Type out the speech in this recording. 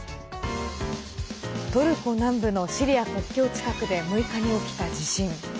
トルコ南部のシリア国境近くで６日に起きた地震。